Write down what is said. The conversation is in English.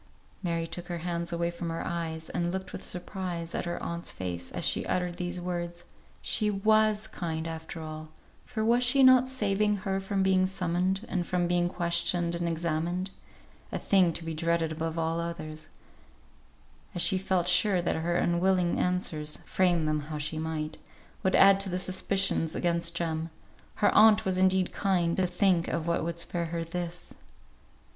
Mary took her hands away from her eyes, and looked with surprise at her aunt's face, as she uttered these words. She was kind after all, for was she not saving her from being summoned, and from being questioned and examined; a thing to be dreaded above all others: as she felt sure that her unwilling answers, frame them how she might, would add to the suspicions against Jem; her aunt was indeed kind, to think of what would spare her this.